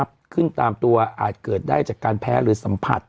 ขึ้นตามตัวอาจเกิดได้จากการแพ้หรือสัมผัส